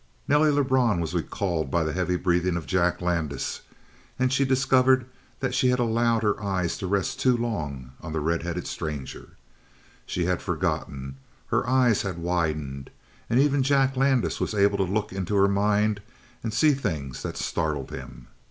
Nelly Lebrun was recalled by the heavy breathing of Jack Landis and she discovered that she had allowed her eyes to rest too long on the red headed stranger. She had forgotten; her eyes had widened; and even Jack Landis was able to look into her mind and see things that startled him.